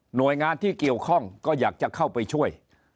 หน่วยงานที่เกี่ยวข้องก็อยากจะเข้าไปช่วย